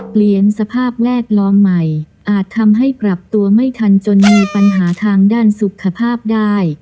เปลี่ยนสภาพแวดล้อมใหม่อาจทำให้ปรับตัวไม่ทันจนมีปัญหาทางด้านสุขภาพได้